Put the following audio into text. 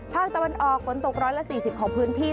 ภาคตะวันออกฝนตก๑๔๐ของพื้นที่